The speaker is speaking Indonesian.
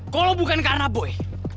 kalau bukan karena boy